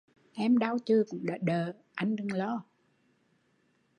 Em đau chừ cũng đã đợ, anh đừng lo